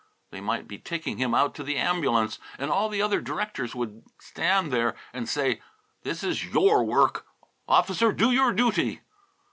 They might be taking him out to the ambulance, and all the other directors would stand there and say, "This is your work. Officer, do your duty!"